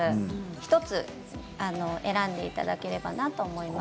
１つ選んでいただければなと思います。